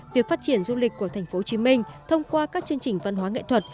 việc phát triển du lịch của thành phố hồ chí minh thông qua các chương trình văn hóa nghệ thuật